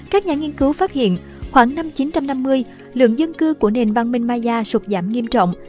các nhà nghiên cứu phát hiện khoảng năm một nghìn chín trăm năm mươi lượng dân cư của nền văn minh maya sụp giảm nghiêm trọng